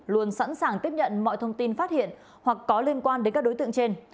luôn sẵn sàng tiếp nhận mọi thông tin phát hiện hoặc có liên quan đến các đối tượng trên